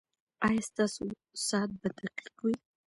ایا ستاسو ساعت به دقیق وي؟